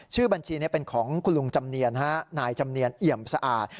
ชื่อบัญชีนี้เป็นของคุณลุงนายจำเนียนเอ๋ยมสะอาด